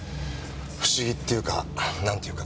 不思議っていうか何ていうか。